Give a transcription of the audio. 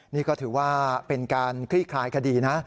นี่ก็ถือว่าเป็นการคลี่คลายคดีนะ